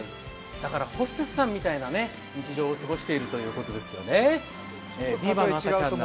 だからホステスさんみたいな日常を過ごしているということですよね。